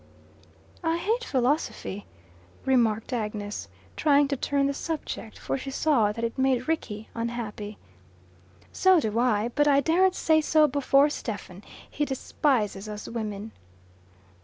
"I hate philosophy," remarked Agnes, trying to turn the subject, for she saw that it made Rickie unhappy. "So do I. But I daren't say so before Stephen. He despises us women."